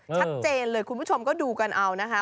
ชัดเจนเลยคุณผู้ชมก็ดูกันเอานะคะ